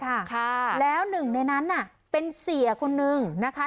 ค่ะแล้วหนึ่งในนั้นน่ะเป็นเสียคนนึงนะคะ